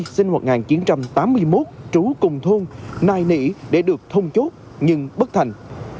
sinh năm một nghìn chín trăm tám mươi một trú cùng thôn nài nỉ để được thông chốt nhưng bất thành